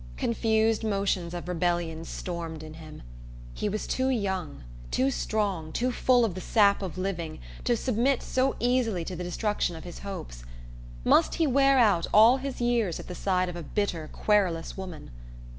Confused motions of rebellion stormed in him. He was too young, too strong, too full of the sap of living, to submit so easily to the destruction of his hopes. Must he wear out all his years at the side of a bitter querulous woman?